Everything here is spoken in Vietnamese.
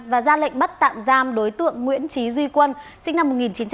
và ra lệnh bắt tạm giam đối tượng nguyễn trí duy quân sinh năm một nghìn chín trăm tám mươi